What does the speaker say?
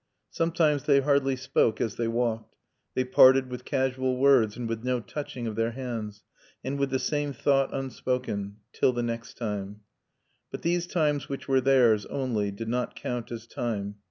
Sometimes they hardly spoke as they walked. They parted with casual words and with no touching of their hands and with the same thought unspoken "Till the next time." But these times which were theirs only did not count as time.